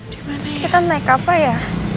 terus kita naik apa ya